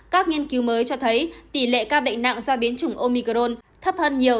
các nghiên cứu mới cho thấy tỷ lệ ca bệnh nặng do biến chủng omicrone thấp hơn nhiều